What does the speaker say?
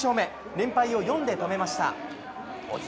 連敗を４で止めました。